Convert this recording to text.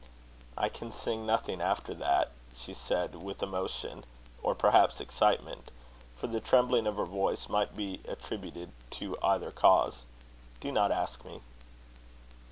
"I can sing nothing after that," she said with emotion, or perhaps excitement; for the trembling of her voice might be attributed to either cause. "Do not ask me."